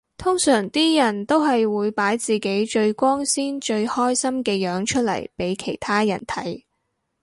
通常啲人都係會擺自己最光鮮最開心嘅樣出嚟俾其他人睇